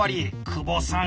久保さん